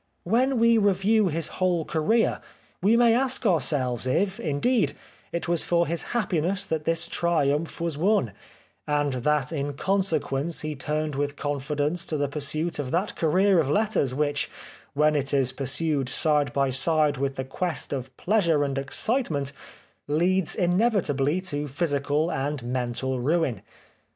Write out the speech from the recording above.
When we review his whole career we may ask ourselves if, indeed, it was for his happiness that this triumph was won, and that in consequence he turned with confidence to the pursuit of that career of letters which when it is pursued side by side with the quest of pleasure and excitement leads inevitably 155 The Life of Oscar Wilde to physical and mental ruin.